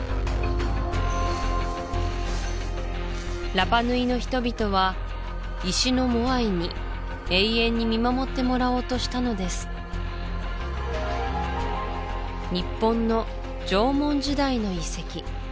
ラパ・ヌイの人々は石のモアイに永遠に見守ってもらおうとしたのです日本の縄文時代の遺跡